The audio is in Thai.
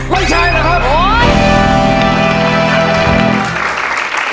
ไม่ใช้หรือครับ